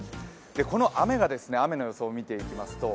この雨が雨の予想を見ていきます